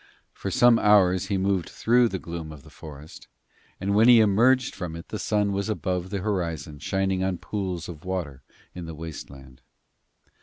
For some hours he moved through the gloom of the forest, and when he emerged from it the sun was above the horizon shining on pools of water in the waste land.